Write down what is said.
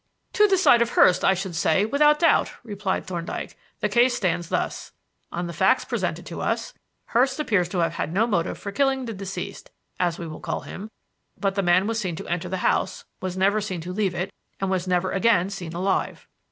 "To the side of Hurst, I should say, without doubt," replied Thorndyke. "The case stands thus on the facts presented to us: Hurst appears to have had no motive for killing the deceased (as we will call him); but the man was seen to enter the house, was never seen to leave it, and was never again seen alive.